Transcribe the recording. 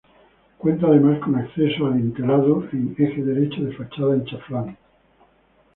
Cuenta, además, con acceso adintelado en eje derecho de fachada en chaflán.